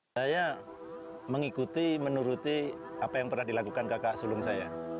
saya mengikuti menuruti apa yang pernah dilakukan kakak sulung saya